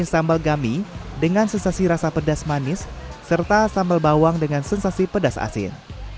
sambal gami dengan sensasi rasa pedas manis serta sambal bawang dengan sensasi pedas asin